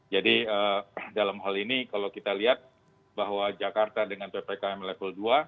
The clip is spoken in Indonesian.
jadi dalam hal ini kalau kita lihat bahwa jakarta dengan ppkm level dua